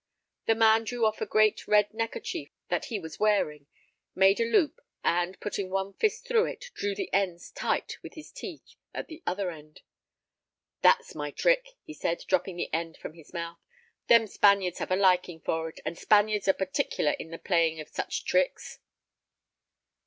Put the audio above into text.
The man drew off a great red neckerchief that he was wearing, made a loop, and, putting one fist through it, drew the ends tight with his teeth and the other hand. "That's my trick," he said, dropping the end from his mouth; "them Spaniards have a liking for it, and Spaniards are particular in the playing of such tricks."